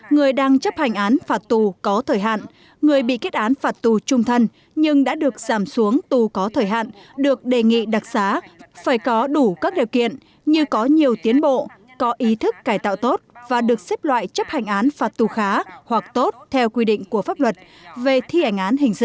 người đang chấp hành án phạt tù có thời hạn người bị kết án phạt tù trung thân nhưng đã được giảm xuống tù có thời hạn được đề nghị đặc xá phải có đủ các điều kiện như có nhiều tiến bộ có ý thức cải tạo tốt và được xếp loại chấp hành án phạt tù khá hoặc tốt theo quy định của pháp luật về thi hành án hình sự